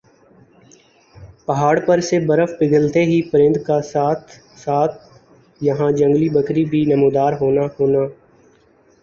پہاڑ پر سے برف پگھلتے ہی پرند کا ساتھ ساتھ یَہاں جنگلی بکری بھی نمودار ہونا ہونا